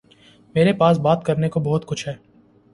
میرے پاس بات کرنے کو بہت کچھ ہے